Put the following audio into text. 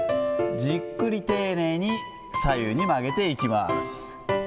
じっくり丁寧に、左右に曲げていきます。